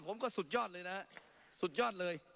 ผมก็สุดยอดเลยนะครับสุดยอดเลย